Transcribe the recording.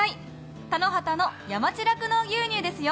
田野畑の山地酪農牛乳ですよ。